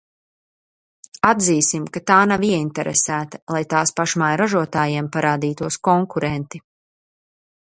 Atzīsim, ka tā nav ieinteresēta, lai tās pašmāju ražotājiem parādītos konkurenti.